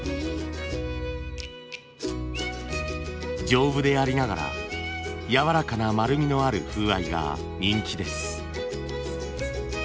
丈夫でありながら柔らかな丸みのある風合いが人気です。